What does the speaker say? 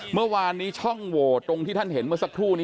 เมื่อวานนี้ช่องโหวตตรงที่ท่านเห็นเมื่อสักครู่นี้